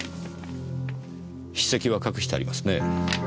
筆跡は隠してありますねぇ。